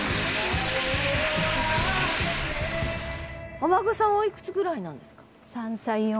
お孫さんおいくつぐらいなんですか？